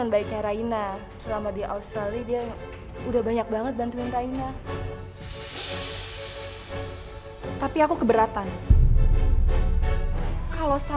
inai kh motherfuck ya